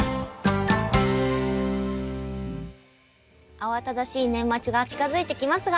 慌ただしい年末が近づいてきますが。